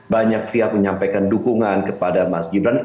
banyak pihak menyampaikan dukungan kepada mas gibran